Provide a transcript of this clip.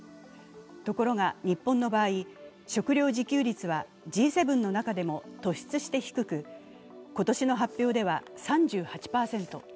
ところが、日本の場合、食料自給率はＧ７の中でも突出して低く今年の発表では３８％。